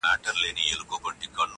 قلندر ولاړ وو خوله يې ښورېدله-